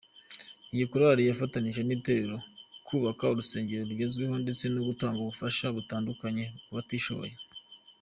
Iyi korali yafatanije n’itorero kubaka urusengero rugezweho ndetse no gutanga ubufasha butandukanye kubatishoboye.